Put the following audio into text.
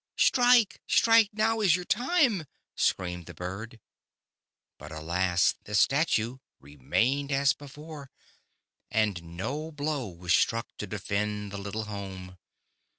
"Strike, strike, now is your time," screamed the Bird. But, alas, the Statue remained as before, and no blow was struck to defend the little home.